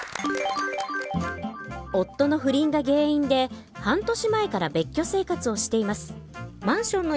夫の不倫が原因で半年前から別居生活をしています